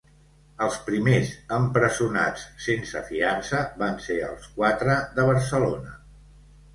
Els primers empresonats sense fiança van ser els quatre de Barcelona.